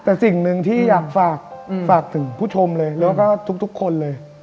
แต่สิ่งหนึ่งที่อยากฝากถึงผู้ชมเลยแล้วก็ทุกคนเลย